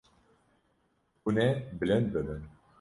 Hûn ê bilind bibin.